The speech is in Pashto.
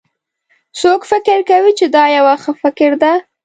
څوک فکر کوي چې دا یو ښه فکر ده